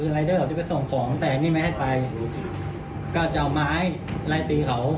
ใส่แบบเก้าร้าวพอเราไปปุ๊บ